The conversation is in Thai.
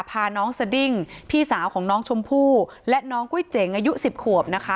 พาน้องสดิ้งพี่สาวของน้องชมพู่และน้องกุ้ยเจ๋งอายุ๑๐ขวบนะคะ